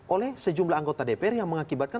oleh sejumlah anggota dpr yang mengakibatkan